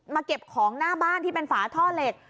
เก็บของหน้าบ้านที่เป็นฝาท่อเหล็ก